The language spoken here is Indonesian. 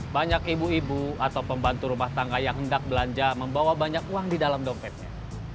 banyak ibu ibu atau pembantu rumah tangga yang hendak belanja membawa banyak uang di dalam dompetnya